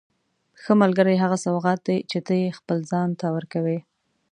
ښه ملګری هغه سوغات دی چې ته یې خپل ځان ته ورکوې.